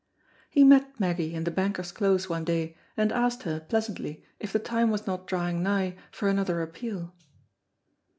He met Meggy in the Banker's Close one day, and asked her pleasantly if the time was not drawing nigh for another appeal.